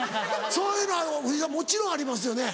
そういうの藤井さんもちろんありますよね？